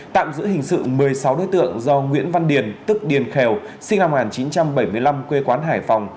tạm giữ hình sự một mươi sáu đối tượng do nguyễn văn điền tức điền khèo sinh năm một nghìn chín trăm bảy mươi năm quê quán hải phòng